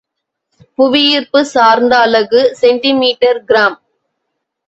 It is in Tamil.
புவி ஈர்ப்பு சார்ந்த அலகு செண்டிமீட்டர் கிராம்.